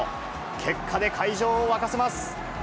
結果で会場を沸かせます。